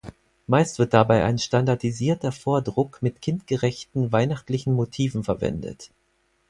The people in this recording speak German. Meist wird dabei ein standardisierter Vordruck mit kindgerechten, weihnachtlichen Motiven verwendet.